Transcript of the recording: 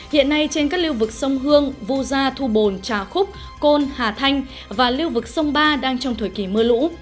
hiện nay trên các liêu vực sông hương vu gia thu bồn trà khúc côn hà thanh và lưu vực sông ba đang trong thời kỳ mưa lũ